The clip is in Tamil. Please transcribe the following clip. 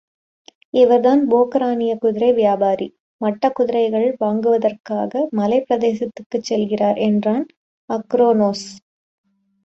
இவர்தான் போக்கரானிய குதிரை வியாபாரி மட்டக்குதிரைகள் வாங்குவதற்காக மலைப் பிரதேசத்திற்குச் செல்கிறார் என்றான், அக்ரோனோஸ்.